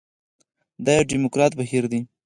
دا یو ډیموکراټیک بهیر دی.